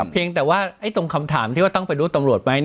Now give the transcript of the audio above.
เพียงแต่ว่าตรงคำถามที่ว่าต้องไปรู้ตำรวจไหม